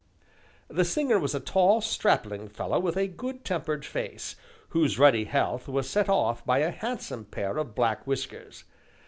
The singer was a tall, strapping fellow with a good tempered face, whose ruddy health was set off by a handsome pair of black whiskers.